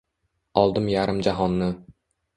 Oldim yarim jahonni.